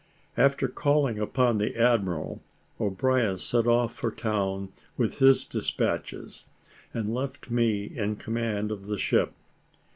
After calling upon the admiral, O'Brien set off for town with his despatches, and left me in command of the ship.